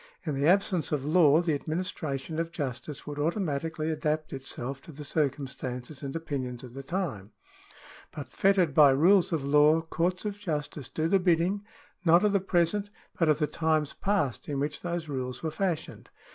In the absence of law, the administration of justice would automatically adapt itself to the circumstances and opinions of the time ; but fettered by rules of law, courts of justice do the bidding, not of the present, but of the times past in which those rules were fashioned.